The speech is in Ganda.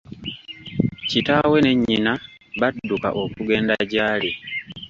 Kitaawe ne nnyina badduka okugenda gy'ali.